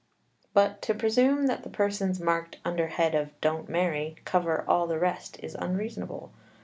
But to presume that the persons marked under head of "don't marry" cover all the rest is unreasonable.